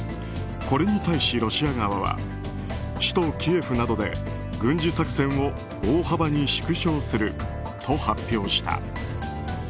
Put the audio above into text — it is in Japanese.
これに対し、ロシア側は首都キエフなどで軍事作戦を大幅に縮小すると発表した。